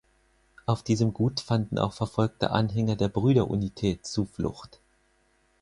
Auf diesem Gut fanden auch verfolgte Anhänger der Brüderunität Zuflucht.